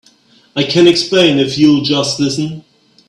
I can explain if you'll just listen.